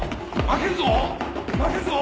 負けるぞ！